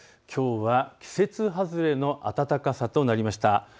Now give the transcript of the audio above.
きょうは季節外れの暖かさとなりました。